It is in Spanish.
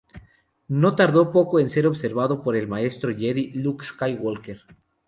No tardó poco en ser observado por el Maestro Jedi Luke Skywalker.